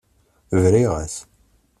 Briɣ-as.